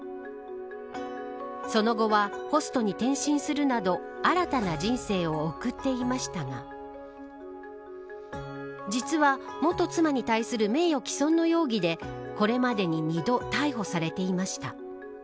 その後は、ホストに転身するなど新たな人生を送っていましたが実は元妻に対する名誉毀損の容疑でこれまでに２度逮捕されていました。